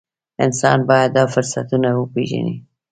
انسان باید دا فرصتونه وپېژني.